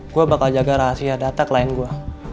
gue bakal jaga rahasia data klien gue